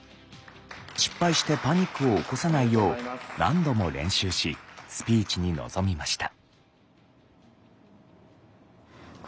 失敗してパニックを起こさないよう何度も練習しスピーチに臨みました。